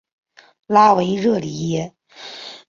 拉维热里耶。